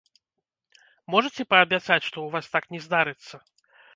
Можаце паабяцаць, што у вас так не здарыцца?